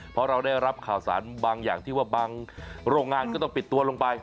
เพราะเราได้รับข่าวสารบางอย่างที่ว่าบางโรงงานก็ต้องปิดตัวลงไป